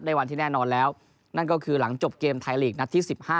วันที่แน่นอนแล้วนั่นก็คือหลังจบเกมไทยลีกนัดที่๑๕